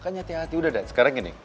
kan hati hati udah deh sekarang gini